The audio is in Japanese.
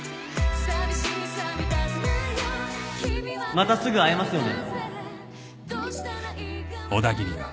またすぐ会えますよね？